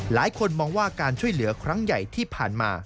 หลายคนมองว่าการช่วยเหลือครั้งใหญ่ที่ผ่านมา